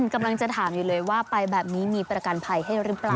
กำลังจะถามอยู่เลยว่าไปแบบนี้มีประกันภัยให้หรือเปล่า